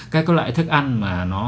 các loại thức ăn mà nó